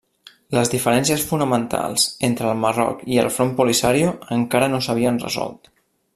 Les diferències fonamentals entre el Marroc i el Front Polisario encara no s'havien resolt.